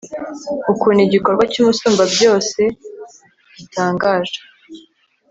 ukuntu igikorwa cy'umusumbabyose gitangaje